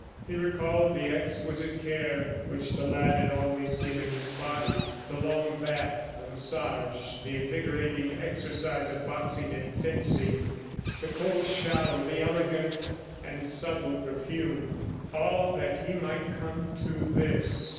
He recalled the exquisite care which the lad had always given his body the long bath, the massage, the invigorating exercise of boxing and fencing, the cold shower, the elegant and subtle perfume ... all that he might come to this!